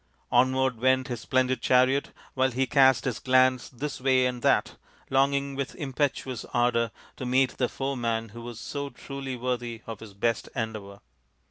Onward went his splendid chariot, while he cast his glance this way and that, longing with impetuous ardour to meet the foeman who was so truly worthy of his best endeavour.